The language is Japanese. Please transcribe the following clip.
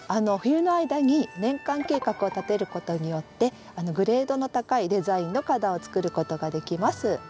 冬の間に年間計画を立てることによってグレードの高いデザインの花壇をつくることができます。